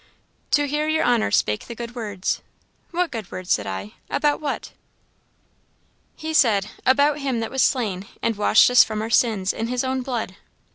" 'To hear your honor spake the good words.' " 'What good words?' said I; 'about what?' "He said, 'About Him that was slain, and washed us from our sins in his own blood.'